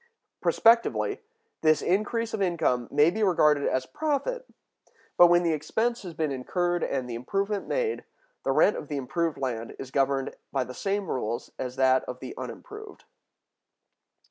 Prospectively, this increase of income may be regarded as profit; but, when the expense has been incurred and the improvement made, the rent of the improved land is governed by the same rules as that of the unimproved.